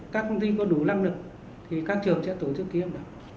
các công ty có đủ lăng lực thì các trường sẽ tổ chức ký hợp đồng